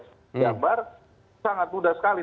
gambar sangat mudah sekali